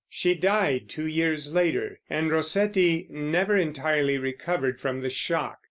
She died two years later, and Rossetti never entirely recovered from the shock.